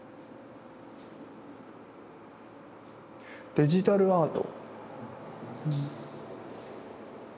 デジタルアート。